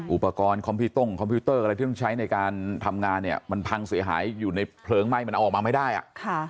อุปกรณ์คอมพิวต้งคอมพิวเตอร์อะไรที่ต้องใช้ในการทำงานเนี่ยมันพังเสียหายอยู่ในเพลิงไหม้มันเอาออกมาไม่ได้อ่ะค่ะ